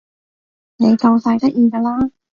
你夠晒得意㗎啦